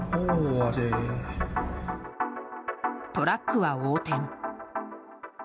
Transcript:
トラックは横転。